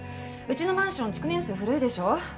うちのマンション築年数古いでしょ。